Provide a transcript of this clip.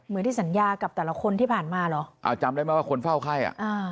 เหมือนที่สัญญากับแต่ละคนที่ผ่านมาเหรออ่าจำได้ไหมว่าคนเฝ้าไข้อ่ะอ่า